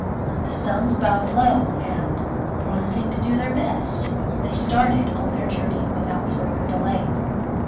The sons bowed low, and, promising to do their best, they started on their journey without further delay.